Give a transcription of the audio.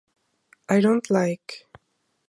I don't like...